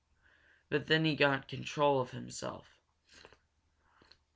But then he got control of himself.